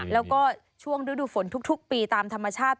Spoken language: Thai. แล้วก็ช่วงฤดูฝนทุกปีตามธรรมชาติ